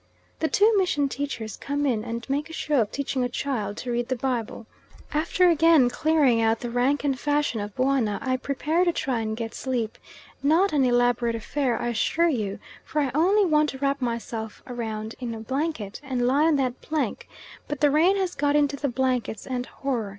The two mission teachers come in and make a show of teaching a child to read the Bible. After again clearing out the rank and fashion of Buana, I prepare to try and get a sleep; not an elaborate affair, I assure you, for I only want to wrap myself round in a blanket and lie on that plank, but the rain has got into the blankets and horror!